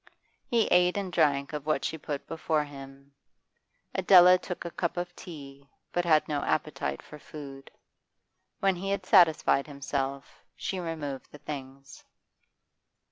He ate and drank of what she put before him. Adela took a cup of tea, but had no appetite for food. When he had satisfied himself, she removed the things.